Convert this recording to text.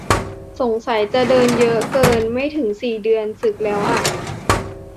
สงสัยจะเดินเยอะเกิน ไม่ถึงสี่เดือน สึกแล้วอ่ะ